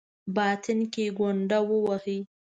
باطن کې ګونډه ووهي.